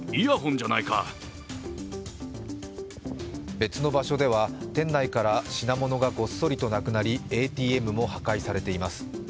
別の場所では店内から品物がごっそりとなくなりＡＴＭも破壊されています。